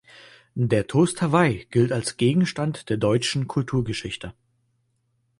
Der Toast Hawaii gilt als Gegenstand der deutschen Kulturgeschichte.